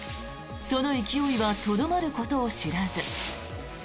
その勢いはとどまることを知らず。